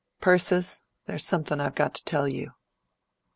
"Persis, there's something I've got to tell you."